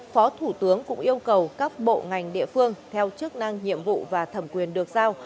phó thủ tướng cũng yêu cầu các bộ ngành địa phương theo chức năng nhiệm vụ và thẩm quyền được giao